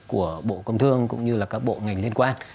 của bộ công thương cũng như là các bộ ngành liên quan